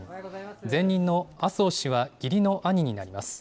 前任の麻生氏は、義理の兄になります。